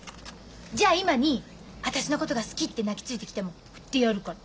じゃあ今に私のことが好きって泣きついてきても振ってやるから。